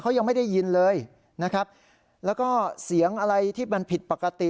เขายังไม่ได้ยินเลยนะครับแล้วก็เสียงอะไรที่มันผิดปกติ